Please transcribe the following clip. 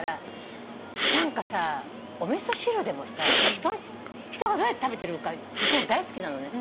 お味噌汁でもさ人がどうやって食べてるか聞くの大好きなのね。